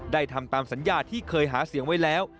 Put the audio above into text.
ทำตามสัญญาที่เคยหาเสียงไว้แล้ว